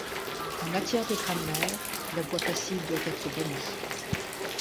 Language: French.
En matière de grammaire, la voix passive doit être bannie.